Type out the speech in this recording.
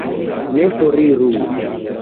Ne foriru.